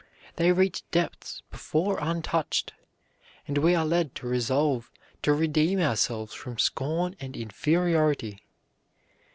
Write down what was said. They reach depths before untouched, and we are led to resolve to redeem ourselves from scorn and inferiority.